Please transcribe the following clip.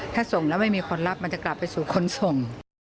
ถ้าส่งแล้วไม่มีคนรับมันจะกลับไปสู่คนส่ง